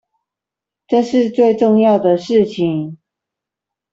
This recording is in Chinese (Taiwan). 這是最重要的事情